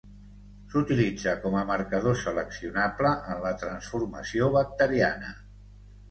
S'utilitza com a marcador seleccionable en la transformació bacteriana.